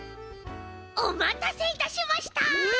おまたせいたしました！